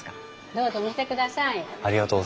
どうぞ見てください。